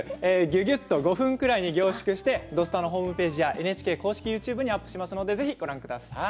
ぎゅぎゅっと５分くらいに凝縮して「土スタ」ホームページやＮＨＫ公式ＹｏｕＴｕｂｅにアップしますのでぜひご覧ください。